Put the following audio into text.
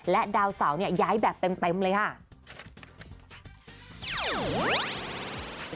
และดาวเสาเนี่ยย้ายแบบเต็มเลยค่ะ